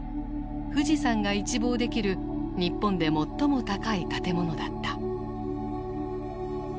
富士山が一望できる日本で最も高い建物だった。